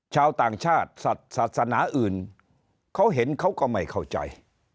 ชาวต่างชาติศาสนาอื่นเขาเห็นเขาก็ไม่เข้าใจ